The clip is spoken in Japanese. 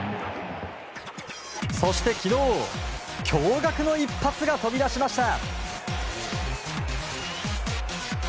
そして昨日、驚愕の一発が飛び出しました！